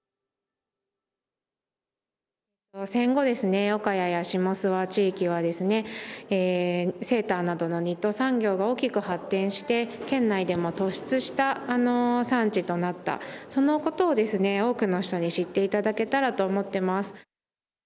戦後、岡谷や下諏訪地域ではセーターなどのニット産業が大きく発展して県内でも突出した産地となった、そのことを多くの人に知っていただけたらと思っています。